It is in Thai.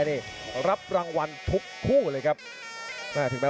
สวัสดิ์นุ่มสตึกชัยโลธสวิทธิ์